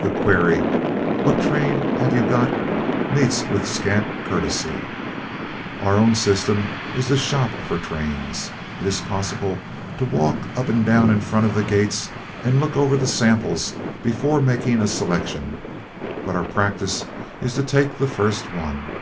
The query "What trains have you got?" meets with scant courtesy. Our own system is to shop for trains. It is possible to walk up and down in front of the gates and look over the samples before making a selection, but our practice is to take the first one.